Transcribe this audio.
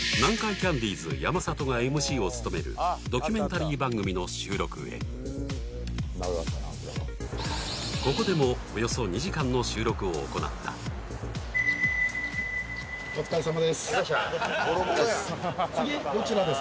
キャンディーズ山里がＭＣを務めるドキュメンタリー番組の収録へここでもおよそ２時間の収録を行ったお疲れさまです